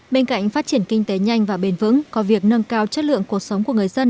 bên cạnh phát triển kinh tế nhanh và bền vững có việc nâng cao chất lượng cuộc sống của người dân